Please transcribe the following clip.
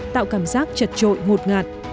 tạo cảm giác chật trội ngột ngạt